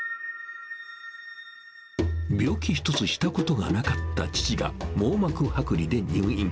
病気一つしたことがなかった父が網膜剥離で入院。